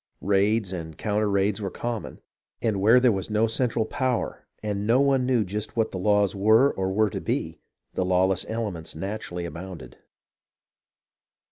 Raids and counter raids were common ; and where there was no central power and no one knew just what the laws were or were to be, the lawless elements naturally abounded.